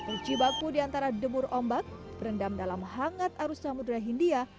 uci baku diantara debur ombak rendam dalam hangat arus samudera hindia